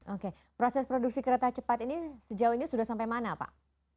oke proses produksi kereta cepat ini sejauh ini sudah sampai mana pak